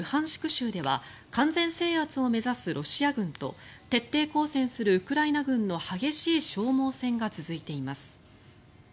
州では完全制圧を目指すロシア軍と徹底抗戦するウクライナ軍の激しい消耗戦が続いています。